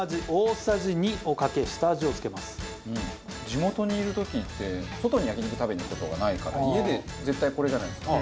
地元にいる時って外に焼肉食べに行く事がないから家で絶対これじゃないですか。